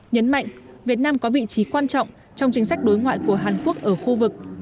nhấn mạnh việt nam có vị trí quan trọng trong chính sách đối ngoại của hàn quốc ở khu vực